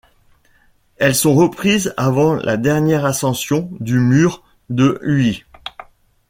Elles sont reprises avant la dernière ascension du mur de Huy.